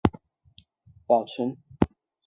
所有网志文章的数据用纯文本文件来保存。